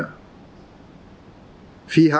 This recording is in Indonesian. fihak yang kuat adalah fihak yang berat